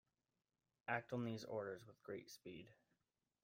Act on these orders with great speed.